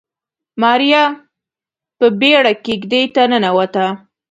ماريا په بيړه کېږدۍ ته ننوته.